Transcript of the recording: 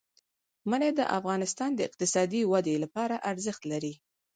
منی د افغانستان د اقتصادي ودې لپاره ارزښت لري.